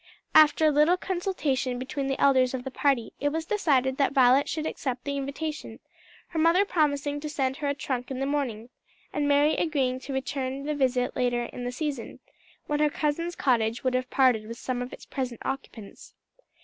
After a little consultation between the elders of the party, it was decided that Violet should accept the invitation, her mother promising to send her a trunk in the morning, and Mary agreeing to return the visit later in the season, when her cousin's cottage would have parted with some of its present occupants.